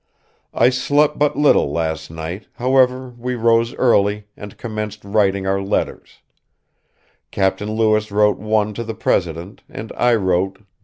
I sleped but little last night however we rose early and commenced wrighting our letters Capt. Lewis wrote one to the presidend and I wrote Gov.